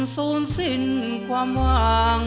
สูญสิ้นความหวัง